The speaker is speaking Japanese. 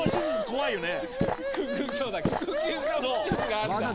怖いよね。